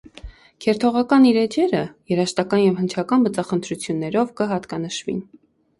Քերթողական իր էջերը երաժշտական եւ հնչական բծախնդրութիւններով կը յատկանշուին։